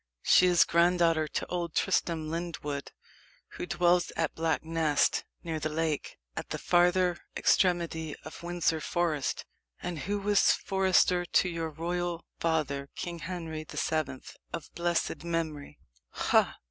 "She is granddaughter to old Tristram Lyndwood, who dwells at Black Nest, near the lake, at the farther extremity of Windsor Forest, and who was forester to your royal father, King Henry the Seventh, of blessed memory." "Ha!